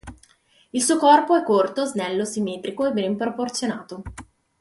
Il suo corpo è corto, snello, simmetrico e ben proporzionato.